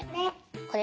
これ。